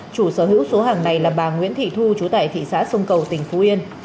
chủ sở hữu số hàng này là bà nguyễn thị thu chú tại thị xã sông cầu tỉnh phú yên